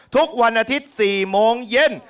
ทุกวันอาทิตย์๔โมงเย็น